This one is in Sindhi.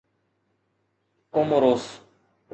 ڪوموروس